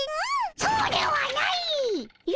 そうではないっ！